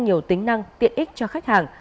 nhiều tính năng tiện ích cho khách hàng